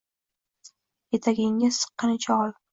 Etagingga siqqanicha ol